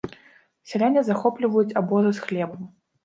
Сяляне захопліваюць абозы з хлебам.